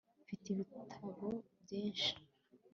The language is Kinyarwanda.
mfite ibitabo byinshi